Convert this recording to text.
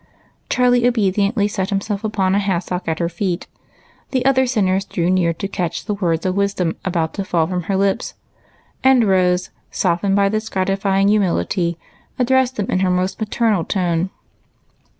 Charlie obediently sat himself upon a hassock at her feet ; the other sinners drew near to catch the words of wisdom about to fall from her lips, and Rose, soft ened by this gratifying humility, addressed them in her most maternal tone.